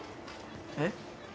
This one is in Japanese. えっ？